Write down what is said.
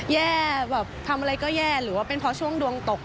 แย่แบบทำอะไรก็แย่หรือว่าเป็นเพราะช่วงดวงตก